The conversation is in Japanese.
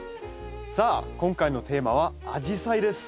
さあ今回のテーマはアジサイです。